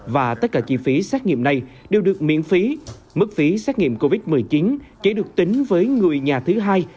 và tất cả chi phí xét nghiệm này đều được miễn phí mức phí xét nghiệm covid một mươi chín chỉ được tính với người nhà thứ hai